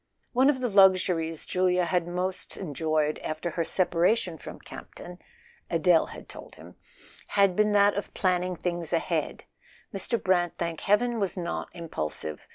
One of the luxuries Julia had most enjoyed after her separation from Campton (Adele had told him) had been that of planning things ahead: Mr. Brant, thank heaven, was not impulsive.